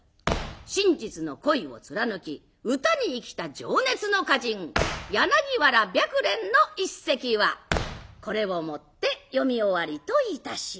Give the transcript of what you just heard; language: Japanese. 真実の恋を貫き歌に生きた「情熱の歌人柳原白蓮」の一席はこれをもって読み終わりといたします。